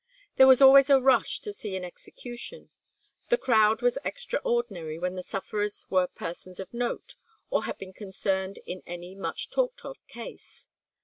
There was always a rush to see an execution. The crowd was extraordinary when the sufferers were persons of note or had been concerned in any much talked of case.